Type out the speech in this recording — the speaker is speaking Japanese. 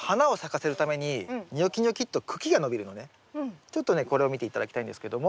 ちょっとねこれを見て頂きたいんですけども。